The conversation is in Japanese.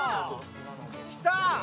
きた！